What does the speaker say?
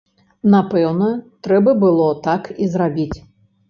Напэўна, трэба было так і зрабіць.